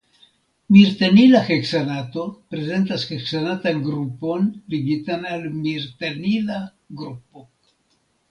Mirtenila heksanato prezentas heksanatan grupon ligitan al mirtenila grupo.